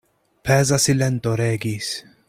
Peza silento regis.